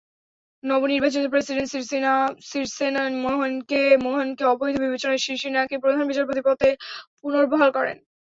নবনির্বাচিত প্রেসিডেন্ট সিরিসেনা মোহনকে অবৈধ বিবেচনায় শিরানিকে প্রধান বিচারপতি পদে পুনর্বহাল করেন।